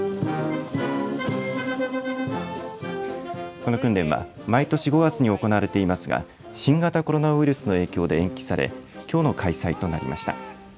この訓練は毎年５月に行われていますが新型コロナウイルスの影響で延期されきょうの開催となりました。